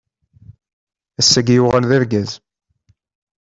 Ass-agi yuɣal d argaz.